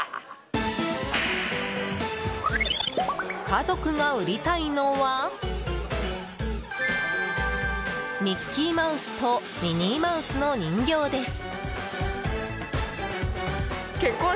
家族が売りたいのはミッキーマウスとミニーマウスの人形です。